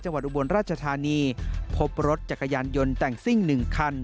จังหวัดอุบวลราชธานีพบรถจักรยานยนต์แต่งซิ่งหนึ่งคัน